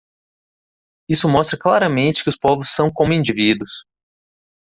Isso mostra claramente que os povos são como indivíduos.